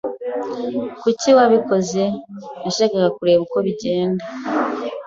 "Kuki wabikoze?" "Nashakaga kureba uko bizagenda."